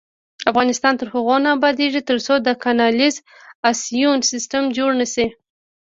افغانستان تر هغو نه ابادیږي، ترڅو د کانالیزاسیون سیستم جوړ نشي.